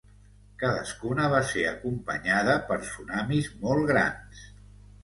Cadascuna va ser acompanyada per tsunamis molt grans.